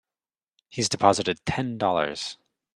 He's deposited Ten Dollars.